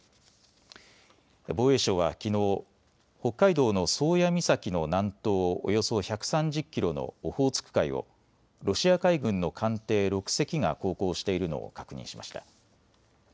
防衛省はきのう、北海道の宗谷岬の南東およそ１３０キロのオホーツク海をロシア海軍の艦艇６隻が航行しているのを確認しました。